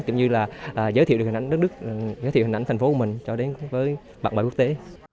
cũng như là giới thiệu được hình ảnh đất đức giới thiệu hình ảnh thành phố của mình cho đến với bạn bè quốc tế